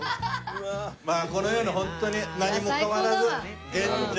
まあこのようにホントに何も変わらず現状。